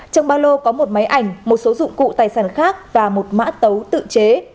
trong ba lô có một máy ảnh một số dụng cụ tài sản khác và một mã tấu tự chế